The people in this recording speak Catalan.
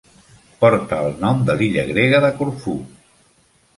Porta el nom de l'illa grega de Corfú.